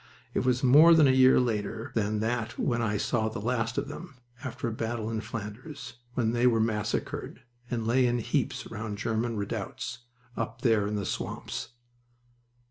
It was more than a year later than that when I saw the last of them, after a battle in Flanders, when they were massacred, and lay in heaps round German redoubts, up there in the swamps.